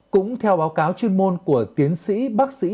cũng theo báo cáo chuyên môn của tiến sĩ bác sĩ